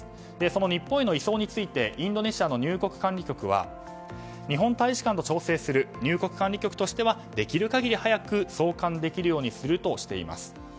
その日本への移送についてインドネシアの入国管理局は日本大使館と調整する入国管理局としてはできる限り早く送還できるようにするとしています。